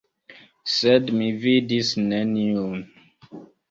Sed mi vidis neniun.